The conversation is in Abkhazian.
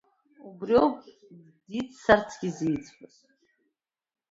Убри ауп диццарцгьы зиӡбаз.